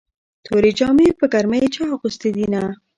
تورې جامې په ګرمۍ چا اغوستې دينه